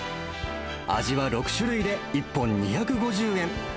味は６種類で１本２５０円。